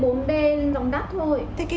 khẩu trang này không đặt đâu không có hỏi bán được